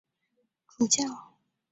也是诺瓦拉教区荣休主教。